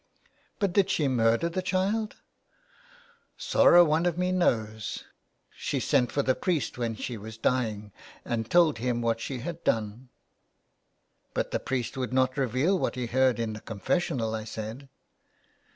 ''" But, did she murder the child ?"*' Sorra wan of me knows. She sent for the priest when she was dying, and told him what she had done." " But the priest would not reveal what he heard in the confessional," I said.